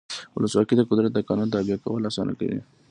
ولسواکي د قدرت د قانون تابع کول اسانه کوي.